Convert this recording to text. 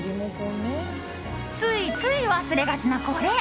ついつい忘れがちなこれ！